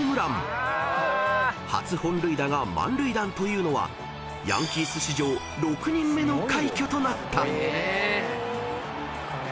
［初本塁打が満塁弾というのはヤンキース史上６人目の快挙となった］